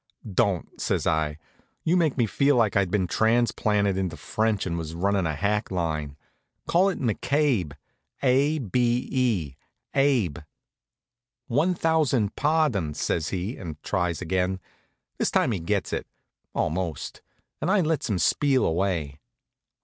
"Don't," says I. "You make me feel like I'd been transplanted into French and was runnin' a hack line. Call it McCabe a b e, abe." "One thousand pardons," says he, and tries again. This time he gets it almost, and I lets him spiel away.